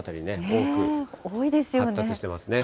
多く発達してますね。